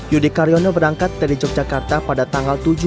yudi karyono berangkat dari yogyakarta pada tanggal tujuh